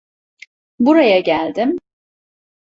Buraya geldim.